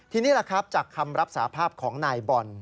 ทีนี้จากคำรับสาภาพของนายบอล